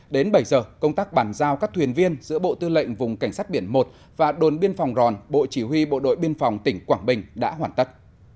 đến bảy giờ công tác bàn giao các thuyền viên giữa bộ tư lệnh vùng cảnh sát biển một và đồn biên phòng ròn bộ chỉ huy bộ đội biên phòng tỉnh quảng bình đã hoàn tất